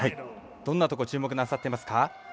どんなとこ注目なさってますか？